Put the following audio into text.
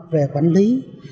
về quản lý